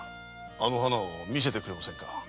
あの花を見せてくれませんか。